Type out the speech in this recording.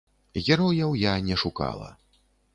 Герояў я не шукала.